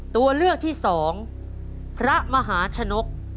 ตัวเลือกที่สองพระมหาชนก